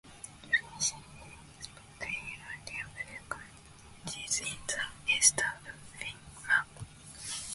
Finnish is spoken in only a few communities in the east of Finnmark.